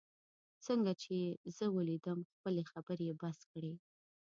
څنګه چي یې زه ولیدم، خپلې خبرې یې بس کړې.